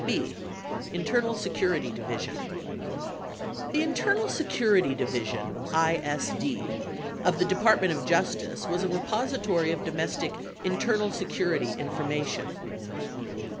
&. Internal Security Division The Internal Security Division (ISD) of the Department of Justice was a repository of domestic "internal security" information.